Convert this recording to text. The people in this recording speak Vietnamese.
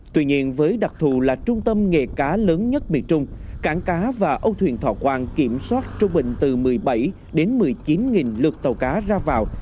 tuy nhiên với đặc thù là trung tâm nghề cá lớn nhất miền trung cảng cá và âu thuyền thọ quang kiểm soát trung bình từ một mươi bảy đến một mươi chín lượt tàu cá ra vào